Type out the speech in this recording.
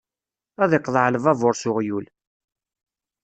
Ad iqḍeɛ lbabuṛ s uɣyul.